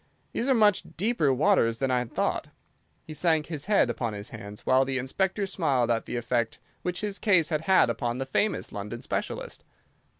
"These are much deeper waters than I had thought." He sank his head upon his hands, while the Inspector smiled at the effect which his case had had upon the famous London specialist.